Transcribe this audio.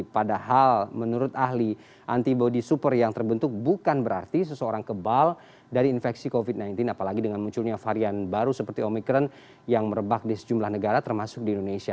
padahal menurut ahli antibody super yang terbentuk bukan berarti seseorang kebal dari infeksi covid sembilan belas apalagi dengan munculnya varian baru seperti omikron yang merebak di sejumlah negara termasuk di indonesia